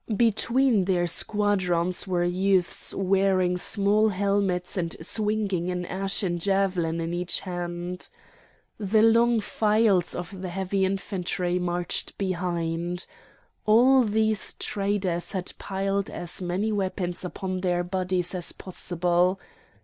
Between their squadrons were youths wearing small helmets and swinging an ashen javelin in each hand. The long files of the heavy infantry marched behind. All these traders had piled as many weapons upon their bodies as possible.